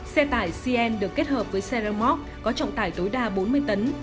xe tải sien được kết hợp với xe ramok có trọng tải tối đa bốn mươi tấn